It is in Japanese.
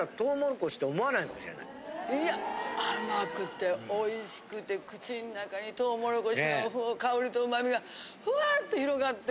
いや甘くておいしくて口の中にとうもろこしの香りと旨味がふわっと広がって。